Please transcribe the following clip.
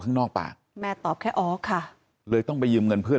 ข้างนอกปากแม่ตอบแค่อ๋อค่ะเลยต้องไปยืมเงินเพื่อน